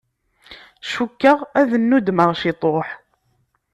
Cukkeɣ ad nudmeɣ ciṭuḥ.